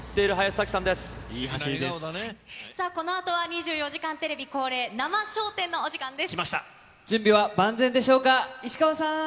このあとは２４時間テレビ恒例、生笑点のお時間です。